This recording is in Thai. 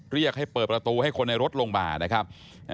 เรียกให้เปิดประตูให้คนในรถลงมานะครับ